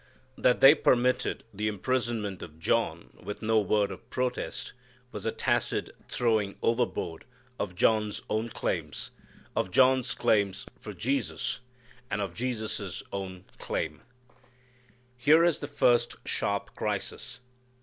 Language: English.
That they permitted the imprisonment of John with no word of protest, was a tacit throwing overboard of John's own claims, of John's claims for Jesus, and of Jesus' own claim. Here is the first sharp crisis.